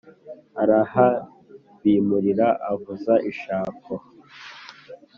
arahabimura, avuza ishako!